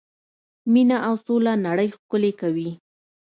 مینه او سوله نړۍ ښکلې کوي.